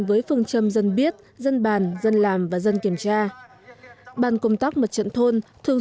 với phương châm dân biết dân bàn dân làm và dân kiểm tra bàn công tác mặt trận thôn thường